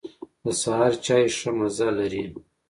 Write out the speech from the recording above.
د سهار چای ښه مزه لري.